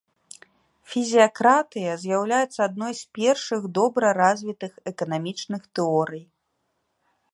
Фізіякратыя з'яўляецца адной з першых добра развітых эканамічных тэорый.